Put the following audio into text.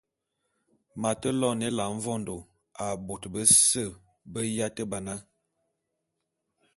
M’ate loene Ela mvondô a bôte bese be yate ba na.